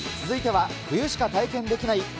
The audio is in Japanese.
続いては冬しか体験できない！